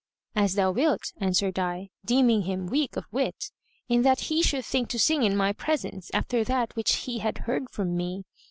"As thou wilt," answered I, deeming him weak of wit, in that he should think to sing in my presence, after that which he had heard from me.